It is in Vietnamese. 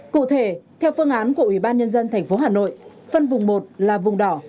cụ thể theo phương án của ủy ban nhân dân thành phố hà nội phân vùng một là vùng đỏ